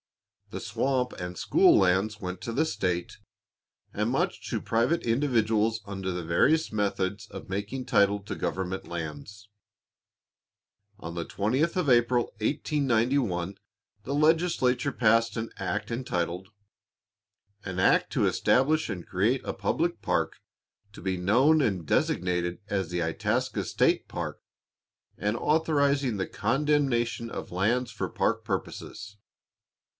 The swamp and school lands went to the state, and much to private individuals under the various methods of making title to government lands. On the 20th of April, 1891, the legislature passed an act entitled, "An act to establish and create a public park, to be known and designated as the Itasca State Park, and authorizing the condemnation of lands for park purposes."